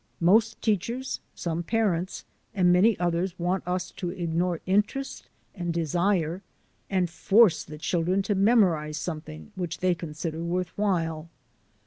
Most teachers, some parents, and many others want us to ignore interest and desire and force the children to memorize something which they con sider worth while.